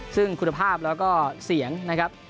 ซึ่งคุณภาพแล้วก็เสียงนะครับ